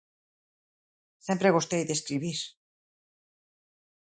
Sempre gostei de escribir.